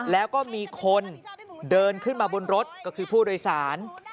แล้วก็มีคนเดินขึ้นมาบนรถก็คือผู้โดยสาร